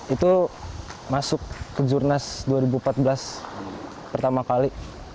itu masuk ke jurnas dua ribu empat belas pertama kali